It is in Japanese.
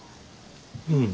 うん。